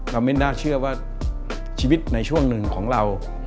ไม่น่าเชื่อว่าชีวิตในช่วงหนึ่งของเรา